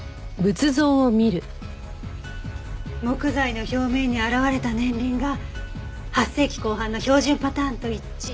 木材の表面にあらわれた年輪が８世紀後半の標準パターンと一致。